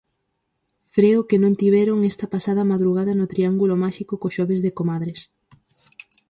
Freo que non tiveron esta pasada madrugada no triángulo máxico co Xoves de Comadres.